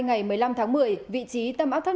ngày một mươi năm tháng một mươi vị trí tâm áp thấp